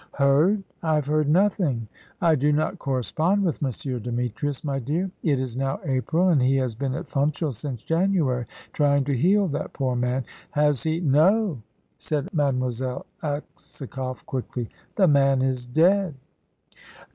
"Heard? I have heard nothing. I do not correspond with M. Demetrius, my dear. It is now April, and he has been at Funchal since January, trying to heal that poor man. Has he ?" "No," said Mademoiselle Aksakoff, quickly. "The man is dead."